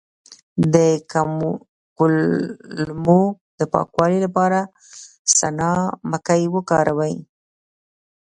د کولمو د پاکوالي لپاره سنا مکی وکاروئ